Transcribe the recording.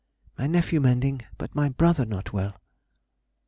_—My nephew mending, but my brother not well.